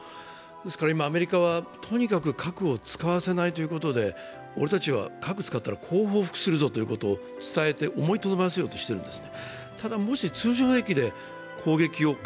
ですから今、アメリカはとにかく核を使わせないということで俺たちは核使ったらこう報復するぞと伝えて伝えて、思いとどまらせようとしているんです。